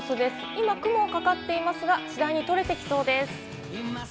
今、雲がかかっていますが、次第に取れてきそうです。